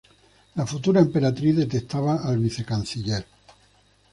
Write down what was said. La futura emperatriz detestaba al vicecanciller.